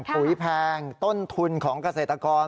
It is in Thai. ปุ๋ยแพงต้นทุนของเกษตรกร